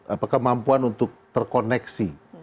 apakah mampuan untuk terkoneksi